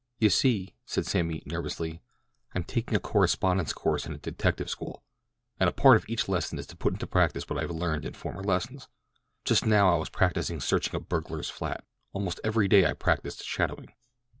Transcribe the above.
"You see," said Sammy nervously, "I'm taking a correspondence course in a detective school, and a part of each lesson is to put into practise what I have learned in former lessons. Just now I was practising searching a burglar's flat. Almost every day I practise shadowing."